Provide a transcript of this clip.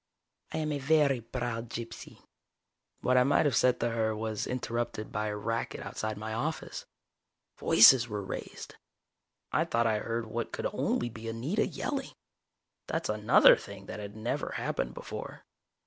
I am a very proud gypsy." What I might have said to her was interrupted by a racket outside my office. Voices were raised. I thought I heard what could only be Anita yelling. That's another thing that had never happened before.